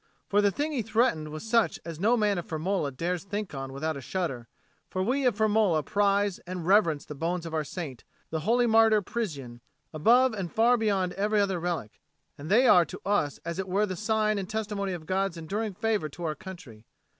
For the thing he threatened was such as no man of Firmola dares think on without a shudder; for we of Firmola prize and reverence the bones of our saint, the holy martyr Prisian, above and far beyond every other relic, and they are to us as it were the sign and testimony of God's enduring favour to our country.